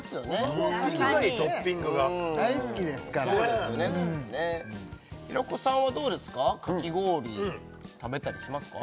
このトッピングがいいトッピングが大好きですからね平子さんはどうですかかき氷食べたりしますか？